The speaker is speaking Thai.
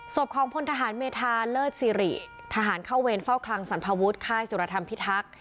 ศพของพลทหารเมธาเลิศสิริทหารเข้าเวรเฝ้าคลังสรรพวุฒิค่ายสุรธรรมพิทักษ์